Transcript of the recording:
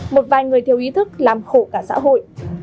một vài người thiếu ý thức làm khổ cả xã hội